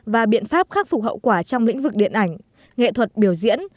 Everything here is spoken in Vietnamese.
và biện pháp khắc phục hậu quả trong lĩnh vực điện ảnh nghệ thuật biểu diễn